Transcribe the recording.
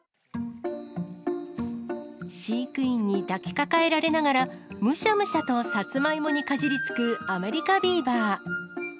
飼育員に抱きかかえられながら、むしゃむしゃとサツマイモにかじりつくアメリカビーバー。